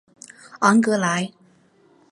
昂格莱。